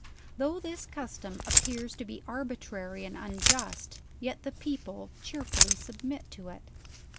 Though this custom appears to be arbitrary and unjust, yet the people, cheerfully submit to it.